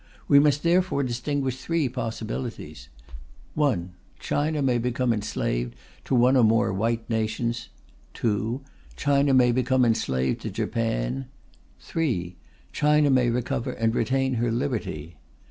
We must therefore distinguish three possibilities: (1) China may become enslaved to one or more white nations; (2) China may become enslaved to Japan; (3) China may recover and retain her liberty.